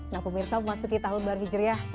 nah pemirsa memasuki tahun baru hijriah